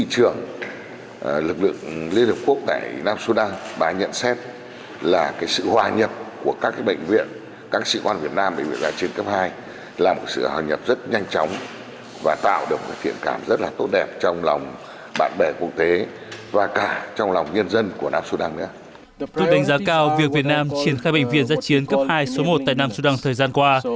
tôi đánh giá cao việc việt nam triển khai bệnh viện giã chiến cấp hai số một tại nam sudan thời gian qua